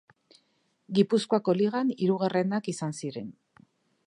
Gipuzkoako Ligan hirugarrenak izan ziren.